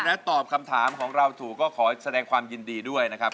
และตอบคำถามของเราถูกก็ขอแสดงความยินดีด้วยนะครับ